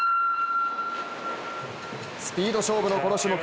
スピード勝負のこの種目。